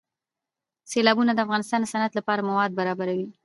سیلابونه د افغانستان د صنعت لپاره مواد برابروي.